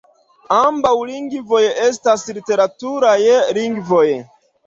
Ambaŭ lingvoj estas literaturaj lingvoj.